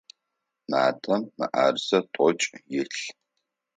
Матэм мыӏэрысэ тӏокӏ илъ.